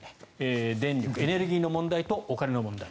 電力、エネルギーの問題とお金の問題。